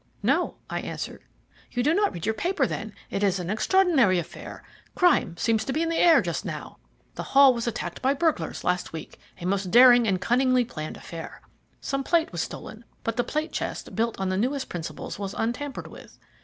"No," I answered. "You do not read your paper, then. It is an extraordinary affair crime seems to be in the very air just now. The Hall was attacked by burglars last week a most daring and cunningly planned affair. Some plate was stolen, but the plate chest, built on the newest principles, was untampered with.